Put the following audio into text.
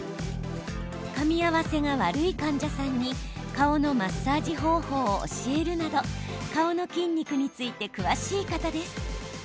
かみ合わせが悪い患者さんに顔のマッサージ方法を教えるなど顔の筋肉について詳しい方です。